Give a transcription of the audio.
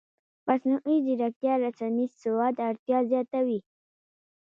مصنوعي ځیرکتیا د رسنیز سواد اړتیا زیاتوي.